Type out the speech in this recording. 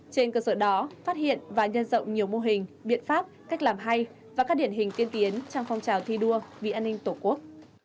trên cơ sở đó phát hiện và nhân rộng nhiều mô hình biện pháp cách làm hay và các điển hình tiên tiến trong phong trào thi đua vì an ninh tổ quốc